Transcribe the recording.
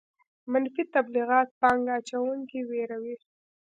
منفي تبلیغات پانګه اچوونکي ویروي.